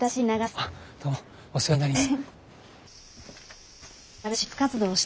あっどうもお世話になります。